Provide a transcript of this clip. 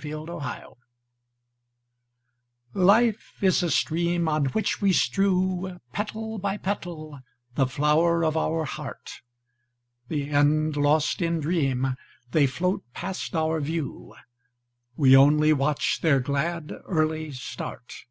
Petals Life is a stream On which we strew Petal by petal the flower of our heart; The end lost in dream, They float past our view, We only watch their glad, early start.